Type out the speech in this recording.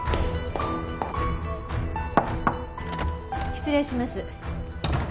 失礼します。